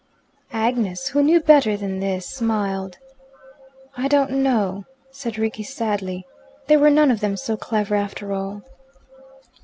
Agnes, who knew better than this, smiled. "I don't know," said Rickie sadly. They were none of them so clever, after all.